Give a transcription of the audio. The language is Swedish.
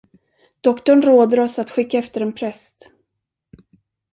Doktorn råder oss att skicka efter en präst.